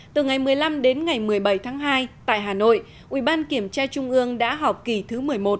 từ ngày một mươi năm đến ngày một mươi bảy tháng hai tại hà nội ủy ban kiểm tra trung ương đã họp kỳ thứ một mươi một